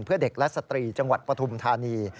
เพื่อเด็กและสตรีจังหวัดปฐุมธานี